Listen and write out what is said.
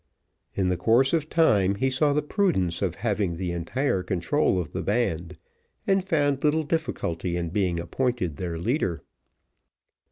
In the course of time he saw the prudence of having the entire control of the band, and found little difficulty in being appointed their leader.